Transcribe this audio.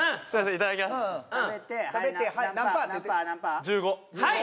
いただきますはい！